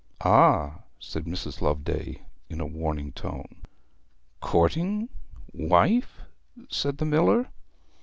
'Ah!' said Mrs. Loveday, in a warning tone. 'Courting wife?' said the miller.